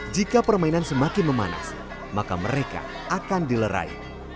jika permainan semakin memanas maka mereka akan dilerai